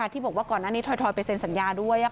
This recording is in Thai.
ที่บอกว่าก่อนหน้านี้ทอยไปเซ็นสัญญาด้วย